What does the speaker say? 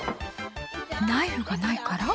ナイフがないから。